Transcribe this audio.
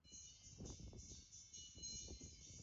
kama nyumba salama aliongeza akisema kwamba ripoti hizo